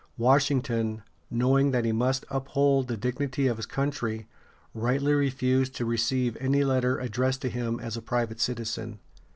Washington, knowing that he must uphold the dignity of his country, rightly refused to receive any letter addressed to him as a private citizen.